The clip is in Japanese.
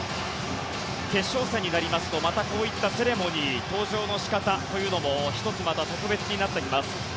決勝戦になりますとまたこういったセレモニー登場の仕方というのも１つまた特別になってきます。